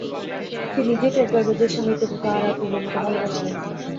সে নিজেই টের পাইবে যে, স্বামীর প্রতি তাহার আর পূর্বের মত ভালবাসা নাই।